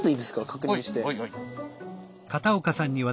確認して。